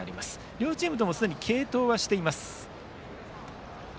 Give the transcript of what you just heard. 両チームともすでに継投はしています。